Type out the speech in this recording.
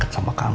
deket sama kamu